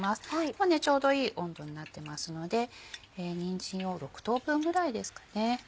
もうねちょうどいい温度になってますのでにんじんを６等分ぐらいですかね。